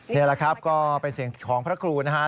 นี่แหละครับก็เป็นเสียงของพระครูนะฮะ